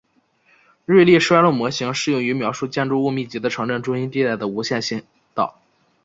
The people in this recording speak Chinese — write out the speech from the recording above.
瑞利衰落模型适用于描述建筑物密集的城镇中心地带的无线信道。